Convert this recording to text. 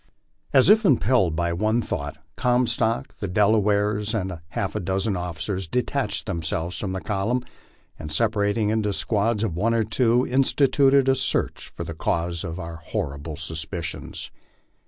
As if impelled by one thought, Comstock, the Delawares, and half a dozen officers, detached themselves from the column and, separating into squads of one or two, instituted a search for the cause of our horrible suspicions.